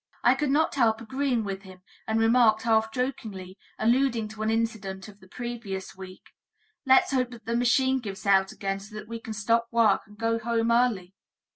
I could not help agreeing with him, and remarked half jokingly, alluding to an incident of the previous week: 'Let's hope that the machine gives out again so that we can stop work and go home early.'